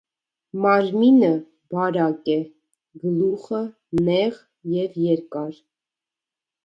Մարմինը բարակ է, գլուխը նեղ և երկար։